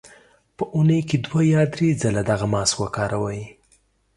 په اونۍ کې دوه یا درې ځله دغه ماسک وکاروئ.